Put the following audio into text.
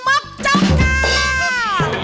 อาชาบาล